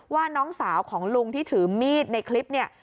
ว่าน้องสาวของลุงที่ถือมีดในคลิปเนี่ย